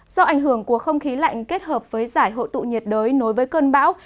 do ảnh hưởng của không khí lạnh kết hợp với giải hội tụ nhiệt đới nối với cơn bão